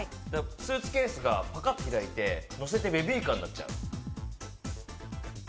スーツケースがかかって開いて乗せてベビーカーになっちゃう。